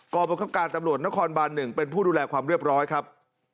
ประคับการตำรวจนครบาน๑เป็นผู้ดูแลความเรียบร้อยครับ